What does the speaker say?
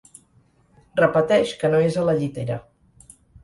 Repeteix que no és a la llitera.